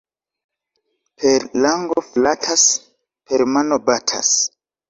Per lango flatas, per mano batas.